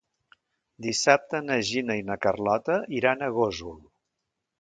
Dissabte na Gina i na Carlota iran a Gósol.